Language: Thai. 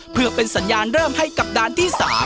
เพื่อเป็นสัญญาณเริ่มให้กับด้านที่๓